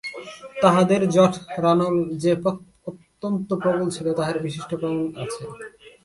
তাঁহাদের জঠরানল যে অত্যন্ত প্রবল ছিল তাহার বিশিষ্ট প্রমাণ আছে।